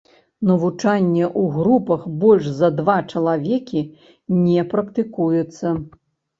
Навучанне ў групах больш за два чалавекі не практыкуецца.